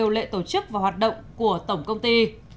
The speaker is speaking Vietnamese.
lệ tổ chức và hoạt động của tổng công ty